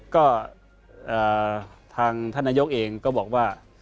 ก็ทางท่านนายกเองก็บอกว่า